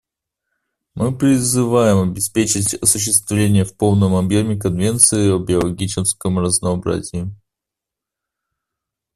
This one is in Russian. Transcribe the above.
Мы призываем обеспечить осуществление в полном объеме Конвенции о биологическом разнообразии.